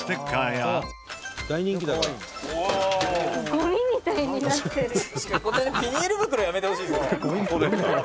「ゴミみたいになってる」「ビニール袋やめてほしいですよね」